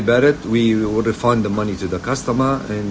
ya pengiriman yang sama